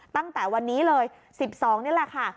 ตั้งแต่วันนี้เลย๑๒นี่แหละค่ะ